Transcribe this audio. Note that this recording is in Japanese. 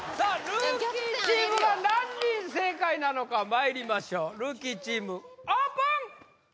ルーキーチームが何人正解なのかまいりましょうルーキーチームオープン！